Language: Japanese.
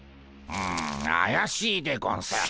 うんあやしいでゴンス。